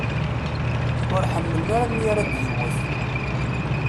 Ur ḥemmlen ara mi ara d-yewwet.